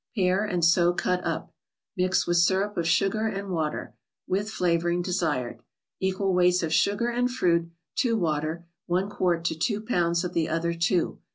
Pare and so cut up. Mix with syrup of sugar and water; with flavoring desired. Equal weights of sugar and fruit, to water; one quart to two pounds of the other two.